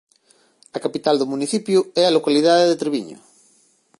A capital do municipio é a localidade de Treviño.